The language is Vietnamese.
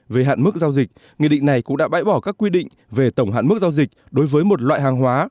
về hạn mức giao dịch nghị định này cũng đã bãi bỏ các quy định về tổng hạn mức giao dịch đối với một loại hàng hóa